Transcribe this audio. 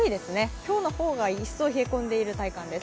今日の方が一層冷え込んでいる体感です。